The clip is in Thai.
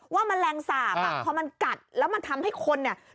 ว่ามันแสบอะเขามันกัดแล้วมาทำให้คนเนี้ย